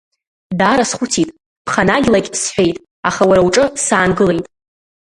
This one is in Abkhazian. Даара схәыцит, ԥханагьлакь сҳәеит, аха уара уҿы саангылеит.